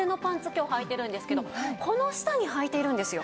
今日はいてるんですけどこの下にはいているんですよ。